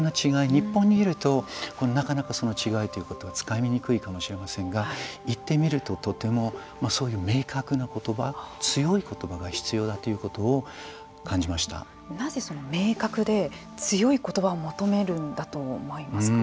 日本にいるとなかなかその違いということはつかみにくいかもしれませんが行ってみるととてもそういう明確な言葉強い言葉が必要だということをなぜ、明確で強い言葉を求めるんだと思いますか。